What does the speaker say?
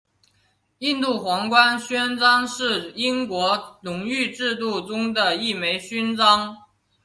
印度皇冠勋章是英国荣誉制度中的一枚勋章。